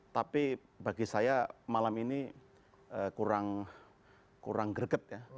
tapi bagi saya malam ini kurang greget ya